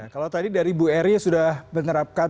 kalau tadi dari bu eri sudah menerapkan